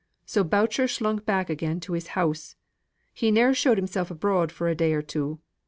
So Boucher slunk back again to his house. He ne'er showed himsel' abroad for a day or two.